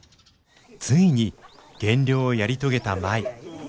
ついに減量をやり遂げた舞。